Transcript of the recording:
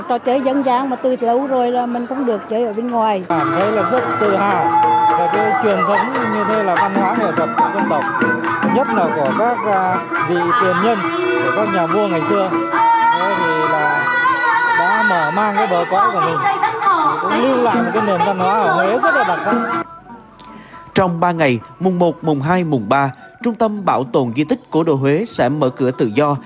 trong ba ngày mùng một mùng hai mùng ba trung tâm bảo tồn duy tích cổ đồ huế sẽ mở cửa tự do